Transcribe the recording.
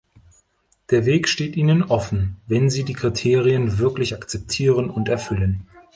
Der Weg steht ihnen offen, wenn sie die Kriterien wirklich akzeptieren und erfüllen.